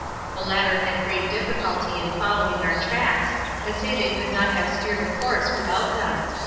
The latter had great difficulty in following our tracks, and say they could not have steered a course without them.